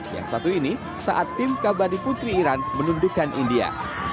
yang satu ini saat tim kabadi putri iran menundukan india